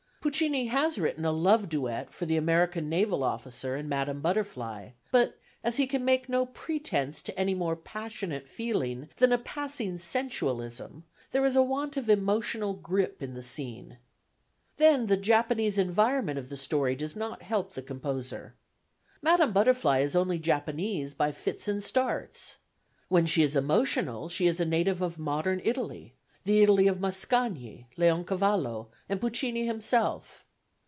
Puccini has written a love duet for the American naval officer and Madame Butterfly, but as he can make no pretence to any more passionate feeling than a passing sensualism there is a want of emotional grip in the scene. Then the Japanese environment of the story does not help the composer. Madame Butterfly is only Japanese by fits and starts. When she is emotional she is a native of modern Italy, the Italy of Mascagni, Leoncavallo and Puccini himself.